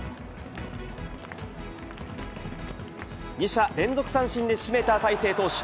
２者連続三振で締めた大勢投手。